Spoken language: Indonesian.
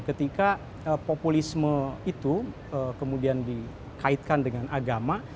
ketika populisme itu kemudian dikaitkan dengan agama